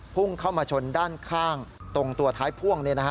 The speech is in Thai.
พุ่งเข้ามาชนด้านข้างตรงตัวท้ายพ่วง